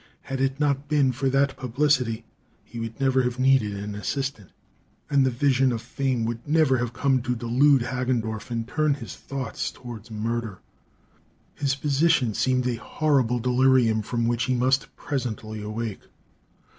Had it not been for that publicity, he would never have needed an assistant, and the vision of fame would never have come to delude Hagendorff and turn his thoughts towards murder. His position seemed a horrible delirium from which he must presently awake.